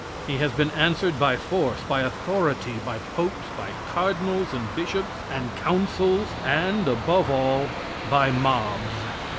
He has been answered by force, by authority, by popes, by cardinals and bishops, and councils, and, above all, by mobs.